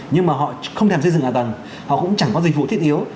nhưng mà họ không thèm xây dựng ảo tầng họ cũng chẳng có dịch vụ thiết yếu